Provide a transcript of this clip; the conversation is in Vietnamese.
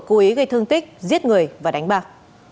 cố ý gây thương tích giết người và đánh bạc